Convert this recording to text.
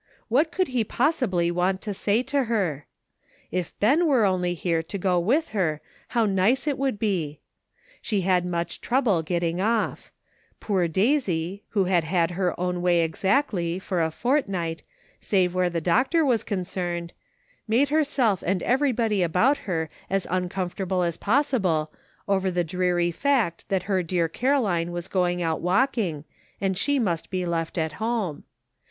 What could he possibly want to say to her ! If Ben were only here to go with her how nice it would be ! She had much trouble getting off ; poor Daisy, who had had her own way exactly, for a fortnight, save where the doctor was concerned, made herself and everybody about her as un comfortable as possible, over the dreary fact that her dear Caroline was going out walking, and she must be left at home.